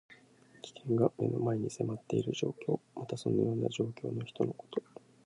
危険が目の前に迫っている状況。または、そのような状況の人のこと。